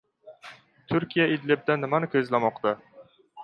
Turkiya Idlibda nimani ko‘zlamoqda?